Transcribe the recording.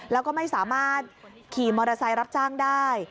แล้วก็ไม่สามารถขี่มอเตอร์ไซค์รับจ้างได้